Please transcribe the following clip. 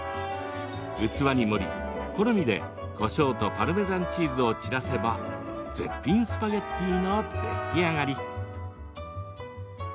器に盛り、好みでこしょうとパルメザンチーズを散らせば絶品スパゲッティの出来上がり。